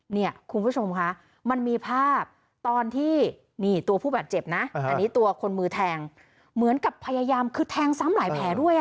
เนี่ยคุณผู้ชมคะมันมีภาพตอนที่นี่ตัวผู้บาดเจ็บนะอันนี้ตัวคนมือแทงเหมือนกับพยายามคือแทงซ้ำหลายแผลด้วย